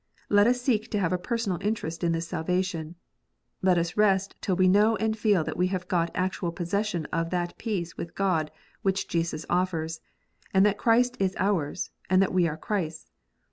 Let us seek to have a personal interest in this salvation. Let us not rest till we know and feel that we have got actual possession of that peace with God which Jesus offers, and that Christ is ours, and we are Christ s.